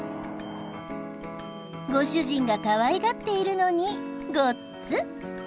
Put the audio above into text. ご主人がかわいがっているのにごっつん。